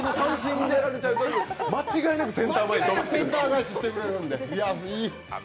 間違いなくセンター返ししてくれるので。